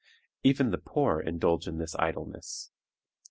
Even the poor indulge in this idleness.